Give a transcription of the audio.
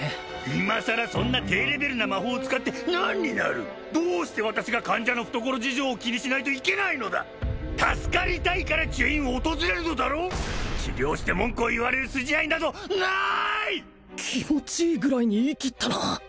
今さらそんな低レベルな魔法を使って何になるどうして私が患者の懐事情を気にしないといけないのだ助かりたいから治癒院を訪れるのだろう治療して文句を言われる筋合いなどない気持ちいいぐらいに言い切ったな